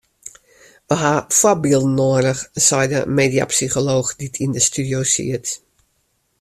We ha foarbylden noadich sei de mediapsycholooch dy't yn de studio siet.